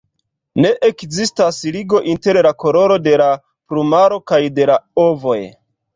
Ne ekzistas ligo inter la koloro de la plumaro kaj de la ovoj.